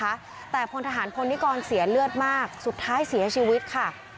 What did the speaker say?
นะคะแต่พลทหารพลนิกรเสียเลือดมากสุดท้ายเสียชีวิตค่ะ